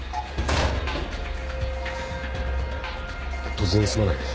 突然すまないね。